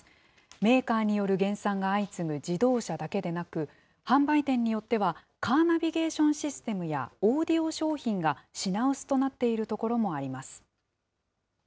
メーカーによる減産が相次ぐ自動車だけでなく、販売店によっては、カーナビゲーションシステムや、オーディオ商品が品薄となっているところもあります。